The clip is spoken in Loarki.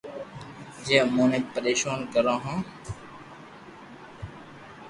جي امون نو پرݾون ڪرو ھي